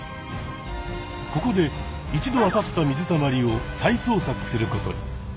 ここで１度当たった水たまりを再捜索することに。